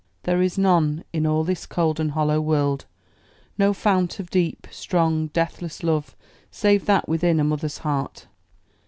"There is none In all this cold and hollow world, no fount Of deep, strong, deathless love, save that within A mother's heart!"